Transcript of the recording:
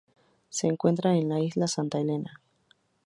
Se encuentra en la Isla Santa Elena.